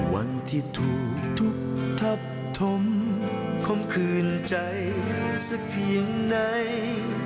วันที่ถูกทุบทับถมคมคืนใจสักเพียงไหน